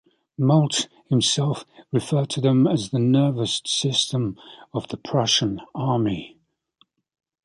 Moltke himself referred to them as the "nervous system" of the Prussian Army.